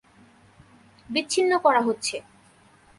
বিচ্ছিন্ন করা হচ্ছে।